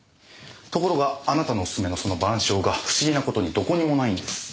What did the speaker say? ところがあなたのお薦めのその『晩鐘』が不思議なことにどこにもないんです。